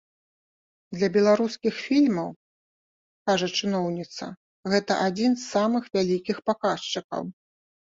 Для беларускіх фільмаў, кажа чыноўніца, гэта адзін з самых вялікіх паказчыкаў.